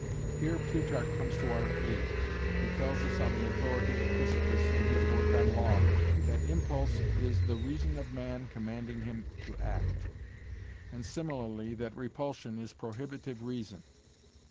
Here Plutarch comes to our aid, who tells us on the authority of Chrysippus in his work on Law that impulse is 'the reason of man commanding him to act,' and similarly that repulsion is 'prohibitive reason.'